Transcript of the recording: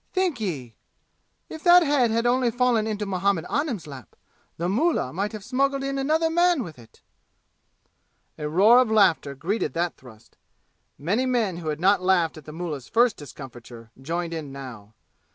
Think Ye! If that head had only fallen into Muhammad Anim's lap, the mullah might have smuggled in another man with it!" A roar of laughter greeted that thrust. Many men who had not laughed at the mullah's first discomfiture, joined in now.